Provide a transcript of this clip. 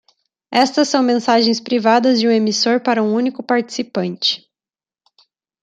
Estas são mensagens privadas de um emissor para um único participante.